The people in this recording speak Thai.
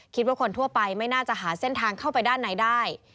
คนทั่วไปไม่น่าจะหาเส้นทางเข้าไปด้านในได้